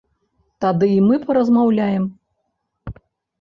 Тады і мы паразмаўляем.